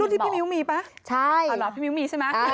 แต่ยังไม่เคยถ่ายเลยพี่มิวมี